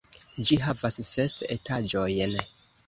Ĝi havas ses etaĝojn.